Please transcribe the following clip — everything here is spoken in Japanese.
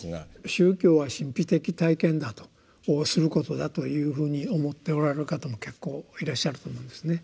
宗教は神秘的体験だとをすることだというふうに思っておられる方も結構いらっしゃると思うんですね。